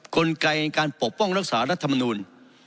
กลไกในการปกป้องรักษารัฐมนูล